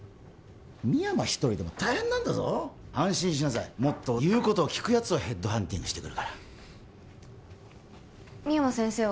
深山１人でも大変なんだぞ安心しなさいもっと言うことを聞くやつをヘッドハンティングしてくるから深山先生は？